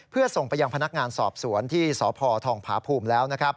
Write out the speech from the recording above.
เพื่อส่งไปยังพนักงานสอบสวนที่สพทองผาภูมิแล้ว